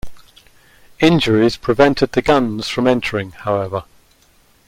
Injuries prevented the Gunns from entering, however.